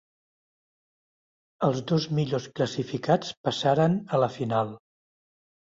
Els dos millors classificats passaren a la final.